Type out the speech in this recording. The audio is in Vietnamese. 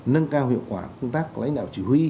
nâng cao hiệu quả